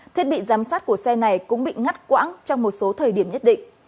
thiết bị giám sát của xe này cũng bị ngắt quãng trong một số thời điểm nhất định